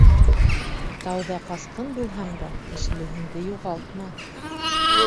Тауҙа ҡасҡын булһаң да, кешелегеңде юғалтма.